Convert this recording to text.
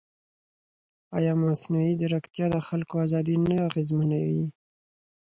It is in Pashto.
ایا مصنوعي ځیرکتیا د خلکو ازادي نه اغېزمنوي؟